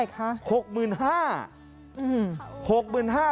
เท่าไหร่คะ